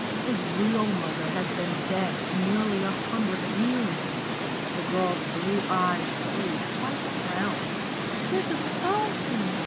His real mother has been dead nearly a hundred years." The girl's blue eyes grew quite round. "Mrs. Dolphin!"